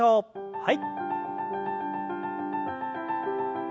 はい。